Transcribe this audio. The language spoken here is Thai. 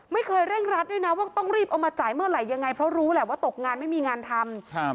เร่งรัดด้วยนะว่าต้องรีบเอามาจ่ายเมื่อไหร่ยังไงเพราะรู้แหละว่าตกงานไม่มีงานทำ